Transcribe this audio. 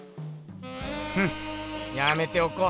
フッやめておこう。